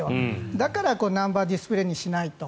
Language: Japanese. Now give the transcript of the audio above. だから、ナンバーディスプレーにしないと。